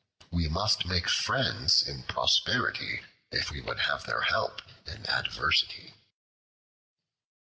We must make friends in prosperity if we would have their help in adversity.